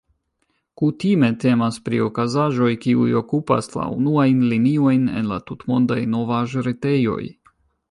Kutime temas pri okazaĵoj, kiuj okupas la unuajn liniojn en la tutmondaj novaĵretejoj.